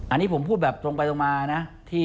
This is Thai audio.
อันนี้ผมพูดแบบตรงไปตรงมานะ